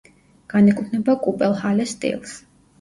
განეკუთვნება კუპელჰალეს სტილს.